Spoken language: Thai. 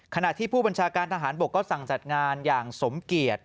ขณะที่ผู้บัญชาการทหารบกก็สั่งจัดงานอย่างสมเกียจ